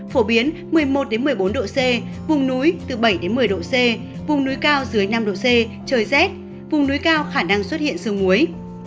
phổ biến một mươi một một mươi bốn độ c vùng núi từ bảy một mươi độ c vùng núi cao dưới năm độ c trời rét vùng núi cao khả năng xuất hiện sương muối